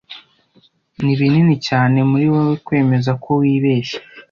Ni binini cyane muri wewe kwemeza ko wibeshye.